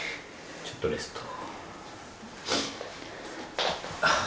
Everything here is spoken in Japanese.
ちょっとレスト。